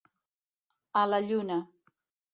A la lluna.